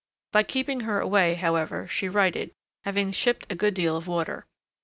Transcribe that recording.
By keeping her away, however, she righted, having shipped a good deal of water.